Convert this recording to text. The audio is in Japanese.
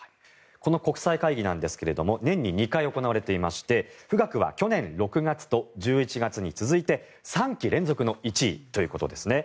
この国際会議なんですが年に２回行われていまして富岳は去年６月と１１月に続いて３期連続の１位ということですね。